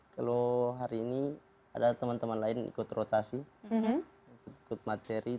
kalau hari ini ada teman teman lain ikut rotasi ikut materi